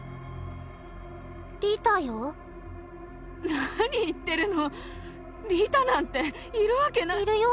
リタよ何言ってるのリタなんているわけないるよ